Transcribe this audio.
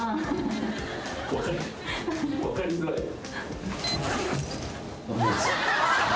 分かりづらいよ。